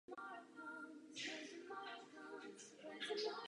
Ruská kinematografie se začala rozvíjet již v období Ruského impéria.